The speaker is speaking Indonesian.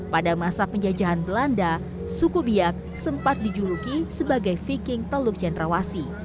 pada masa penjajahan belanda suku biak sempat dijuluki sebagai viking telur jendrawasi